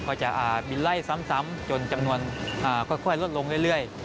ก็จะบินไล่ซ้ำจนจำนวนค่อยลดลงเรื่อย